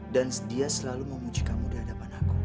dan dia selalu memuji kamu di hadapan aku